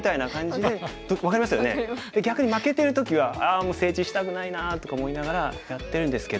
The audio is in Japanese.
で逆に負けてる時は「ああもう整地したくないな」とか思いながらやってるんですけど。